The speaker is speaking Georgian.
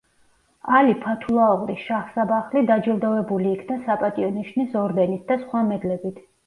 ალი ფათულა ოღლი შაჰსაბახლი დაჯილდოვებული იქნა „საპატიო ნიშნის“ ორდენით და სხვა მედლებით.